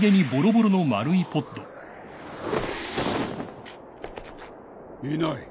いない。